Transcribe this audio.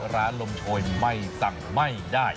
ลมโชยไม่สั่งไม่ได้